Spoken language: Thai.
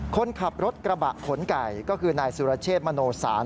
คนขับรถกระบะขนไก่ก็คือนายสุรเชษมโนสาร